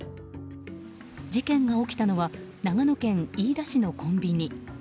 事件が起きたのは長野県飯田市のコンビニ。